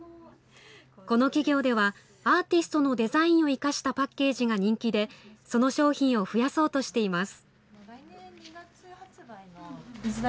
この企業では、アーティストのデザインを生かしたパッケージが人気で、その商品を増やそうとしています。